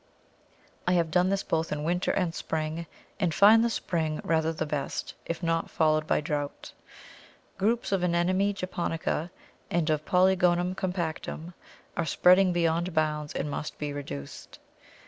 I have done this both in winter and spring, and find the spring rather the best, if not followed by drought. Groups of Anemone japonica and of Polygonum compactum are spreading beyond bounds and must be reduced.